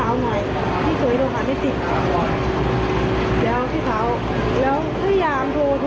มากำลังลุบเพื่อนก็จงฝรั่งนั้นตัวดีโทรมาทางบ้านบอก